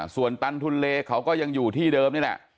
ส่วนตันทุนเลเขาก็ยังอยู่ที่เดิมนี่แหละ